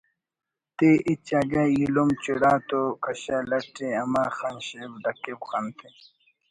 تے ہچ اگہ ایلم چڑا تو کشہ لٹ ءِ امہ خن شیف ڈکپ خن تے